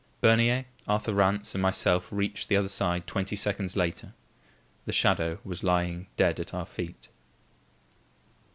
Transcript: Bernier, Arthur Rance and myself reached the other side twenty seconds later. The shadow was lying dead at our feet.